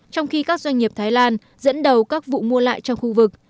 trong khi các doanh nghiệp thái lan dẫn đầu các vụ mua lại trong khu vực